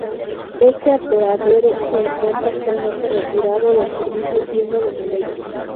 Este apeadero se encuentra, actualmente, retirado del servicio, siendo demolido.